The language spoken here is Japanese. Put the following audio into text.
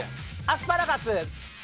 アスパラガス「竜」。